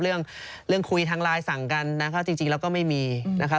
เรื่องคุยทางไลน์สั่งกันจริงแล้วก็ไม่มีนะครับ